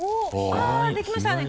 あっできましたね